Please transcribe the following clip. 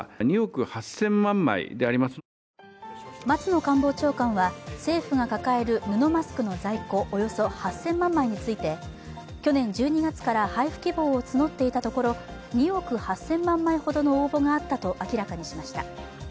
松野官房長官は政府が抱える布マスクの在庫、およそ８０００万枚について去年１２月から配布希望を募っていたところ２億８０００万枚ほどの応募があったと明らかにしました。